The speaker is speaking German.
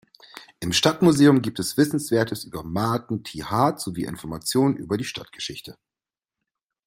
Im Stadtmuseum gibt es Wissenswertes über Maarten ’t Hart sowie Informationen über die Stadtgeschichte.